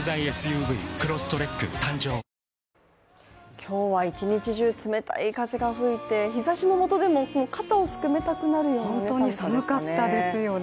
今日は一日中、冷たい風が吹いて日ざしの下でも肩をすくめたくなるような寒さでしたね。